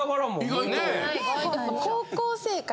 ・意外と・・何？